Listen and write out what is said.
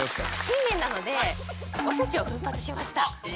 新年なのでおせちを奮発しました今年は。